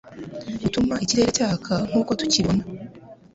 gutuma ikirere cyaka nkuko tukibibona